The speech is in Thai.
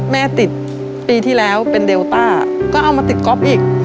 แม่ติดปีที่แล้วเป็นเดลต้าก็เอามาติดก๊อฟอีก